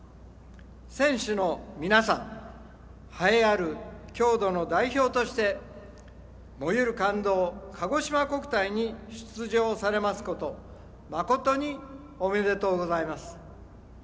選手の皆さん栄えある郷土の代表として「燃ゆる感動かごしま国体」に出場されますこと誠におめでとうございます。